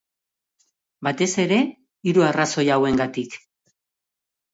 Batez ere, hiru arrazoi hauengatik.